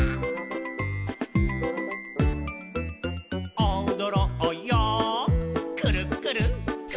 「おどろうよくるっくるくるっくる」